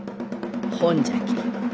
ほんじゃき